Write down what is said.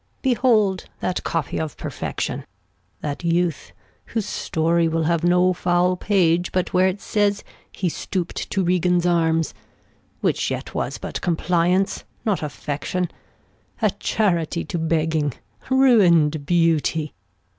Behold that Copy of Perfection, That Youth whose Story will have no foul Page, But where it says he stoopt to Regan's Arms : Which yet was but Compliance, not Affection ; A Charity to begging, ruin'd Beauty